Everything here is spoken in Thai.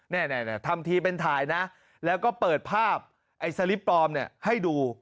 นี่ทำทีเป็นถ่ายนะแล้วก็เปิดภาพไอ้สลิปปลอมเนี่ยให้ดู